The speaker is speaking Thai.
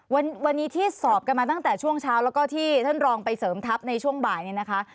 วันนี้ที่สอบกันมาตั้งแต่ช่วงเช้าแล้วก็ที่ท่านรองไปเสริมทัพในช่วงบ่ายเนี่ยนะคะ